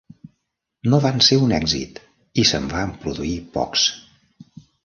No van ser un èxit i se'n van produir pocs.